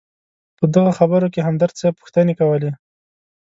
په دغه خبرو کې همدرد صیب پوښتنې کولې.